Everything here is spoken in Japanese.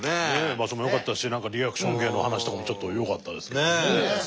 場所も良かったし何かリアクション芸の話とかもちょっと良かったですけどもね。